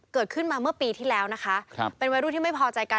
เกิดขึ้นมาเมื่อปีที่แล้วนะคะครับเป็นวัยรุ่นที่ไม่พอใจกัน